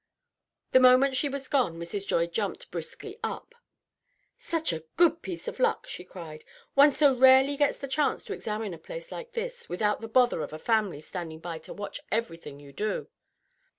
The moment she was gone Mrs. Joy jumped briskly up. "Such a piece of good luck!" she cried. "One so rarely gets the chance to examine a place like this without the bother of a family standing by to watch everything you do."